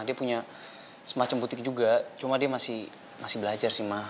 dia punya semacam butik juga cuma dia masih belajar sih mah